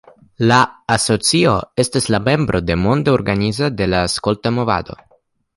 La asocio estas la membro de Monda Organizo de la Skolta Movado.